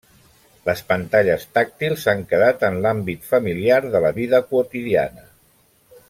Les pantalles tàctils s'han quedat en l'àmbit familiar de la vida quotidiana.